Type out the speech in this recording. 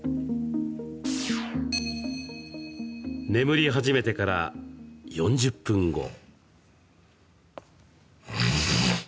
眠り始めてから、４０分後。